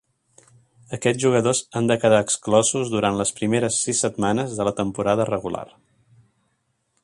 Aquests jugadors han de quedar exclosos durant les primeres sis setmanes de la temporada regular.